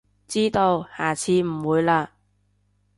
知道，下次唔會喇